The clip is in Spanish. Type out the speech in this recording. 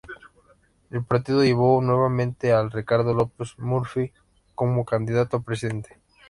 El partido llevó nuevamente a Ricardo López Murphy como candidato a presidente.